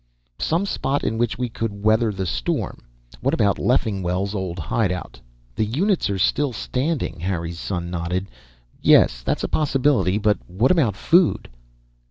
"Some spot in which we could weather the storm. What about Leffingwell's old hideout?" "The units are still standing." Harry's son nodded. "Yes, that's a possibility. But what about food?"